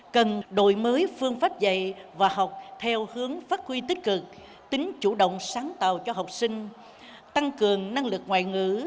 cần đổi mới phương pháp dạy và học theo hướng phát huy tích cực tính chủ động sáng tạo cho học sinh tăng cường năng lực ngoại ngữ